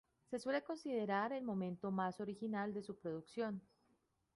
Se suele considerar el momento más original de su producción.